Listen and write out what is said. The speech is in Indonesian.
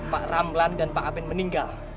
pak ramlan dan pak aben meninggal